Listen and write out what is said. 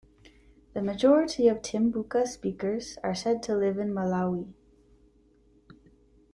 The majority of Tumbuka speakers are said to live in Malawi.